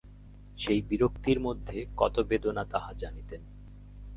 সেই বিরক্তির মধ্যে কত বেদনা তাহা জানিতেন।